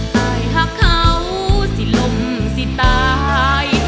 หักเขาสิลมสิตาย